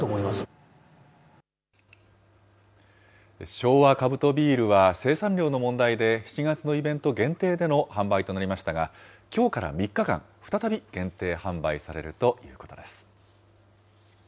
昭和カブトビールは、生産量の問題で７月のイベント限定での販売となりましたが、きょうから３日間、再び限定販売されるということです。